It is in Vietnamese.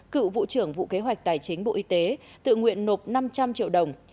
cựu vụ trưởng vụ kế hoạch tài chính bộ y tế tự nguyện nộp năm trăm linh triệu đồng